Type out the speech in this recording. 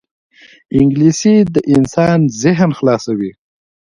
انګلیسي د انسان ذهن خلاصوي